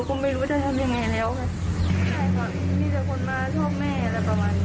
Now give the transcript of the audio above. ใครขอมีแต่คนมาชอบแม่อะไรประมาณนี้